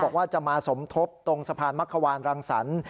บอกว่าจะมาสมทบตรงสะพานมักขวานรังสรรค์